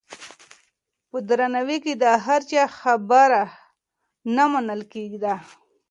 په دربار کې د هر چا خبره نه منل کېده.